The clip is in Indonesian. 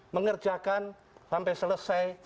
mengerjakan sampai selesai